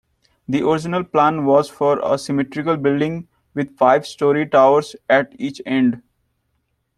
The original plan was for a symmetrical building, with five-storey towers at each end.